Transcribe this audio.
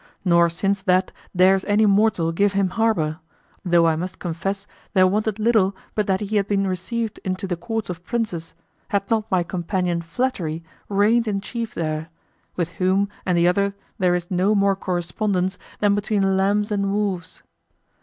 Nor since that dares any mortal give him harbor, though I must confess there wanted little but that he had been received into the courts of princes, had not my companion Flattery reigned in chief there, with whom and the other there is no more correspondence than between lambs and wolves.